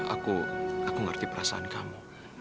aku aku ngerti perasaan kamu